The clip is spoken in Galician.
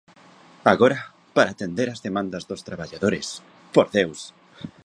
Agora, para atender as demandas dos traballadores, ¡por Deus!